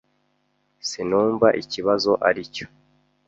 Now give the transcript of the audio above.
Sinumva ikibazo aricyo.